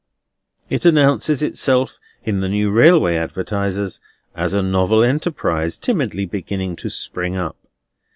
It announces itself, in the new Railway Advertisers, as a novel enterprise, timidly beginning to spring up.